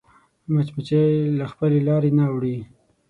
مچمچۍ له خپلې لارې نه اوړي